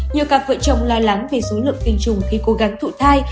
nhiều cặp vợ chồng lo lắng về số lượng tinh trùng khi cố gắng thụ thai